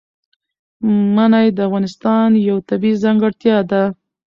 منی د افغانستان یوه طبیعي ځانګړتیا ده.